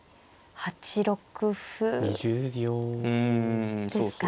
８六歩ですか。